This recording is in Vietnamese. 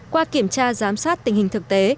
qua kiểm tra giám sát tình hình thực tế